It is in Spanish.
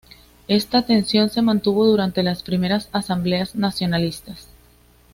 Esta tensión se mantuvo durante las primeras Asambleas Nacionalistas.